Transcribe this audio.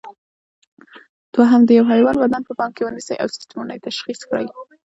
دوهم: د یوه حیوان بدن په پام کې ونیسئ او سیسټمونه یې تشخیص کړئ.